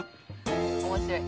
面白い。